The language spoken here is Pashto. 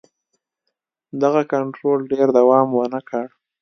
دغه کنټرول ډېر دوام ونه کړ.